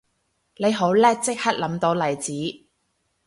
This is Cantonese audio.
你好叻即刻諗到例子